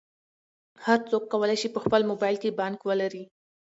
هر څوک کولی شي په خپل موبایل کې بانک ولري.